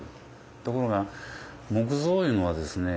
ところが木造いうのはですね